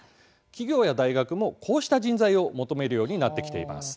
企業や大学も、こうした人材を求めるようになってきています。